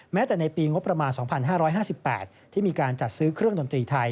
แม้แต่ในปีงบประมาณ๒๕๕๘ที่มีการจัดซื้อเครื่องดนตรีไทย